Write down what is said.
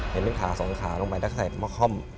เห็นเป็นขาสองขาลงไปแล้วก็ใส่มะค่อม